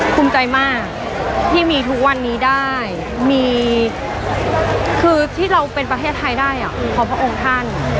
ภูมิใจมากที่มีทุกวันนี้ได้มีคือที่เราเป็นประเทศไทยได้ของพระองค์ท่าน